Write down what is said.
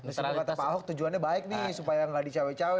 mas ari kata pak ahok tujuannya baik nih supaya nggak dicawai cawai